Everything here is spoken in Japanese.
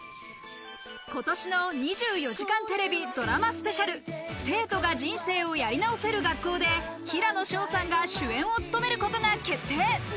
今年の『２４時間テレビ』ドラマスペシャル、『生徒が人生をやり直せる学校』で平野紫耀さんが主演を務めることが決定。